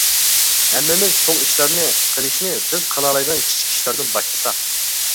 ھەممىمىز چوڭ ئىشلارنى قىلىشنى بىز قىلالايدىغان كىچىك ئىشلاردىن باشلىساق.